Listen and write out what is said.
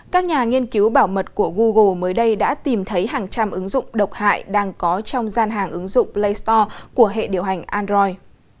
các nhà nghiên cứu bảo mật của google mới đây đã tìm thấy hàng trăm ứng dụng độc hại đang có trong gian hàng ứng dụng play store của hệ điều hành android